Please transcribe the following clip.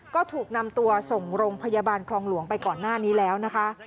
ก็ถูกนำตัวส่งโรงพยาบาลคลองหลวงไปก่อนหน้านี้แล้วนะคะ